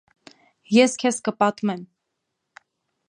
- Ես քեզ կպատմեմ: